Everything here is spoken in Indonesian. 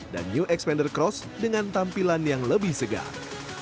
dan new xpander cross dengan tampilan yang lebih segar